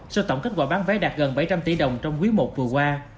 sau tổng kết quả bán vé đạt gần bảy trăm linh tỷ đồng trong quý i vừa qua